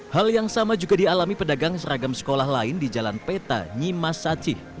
hal yang sama juga dialami pedagang seragam sekolah lain di jalan peta nyimas sach